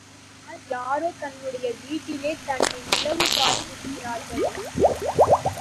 அப்படியானால் யாரோ தன்னுடைய வீட்டிலே தன்னை உளவு பார்த்திருக்கிறார்கள்.